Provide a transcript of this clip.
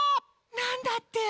なんだって！？